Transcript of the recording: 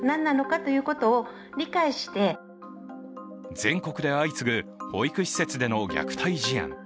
全国で相次ぐ保育施設での虐待事案。